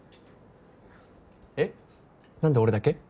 えっ？何で俺だけ？